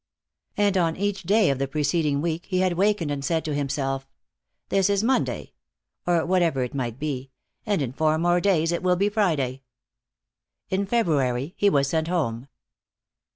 And on each day of the preceding week he had wakened and said to himself: "This is Monday " or whatever it might be "and in four more days it will be Friday." In February he was sent home.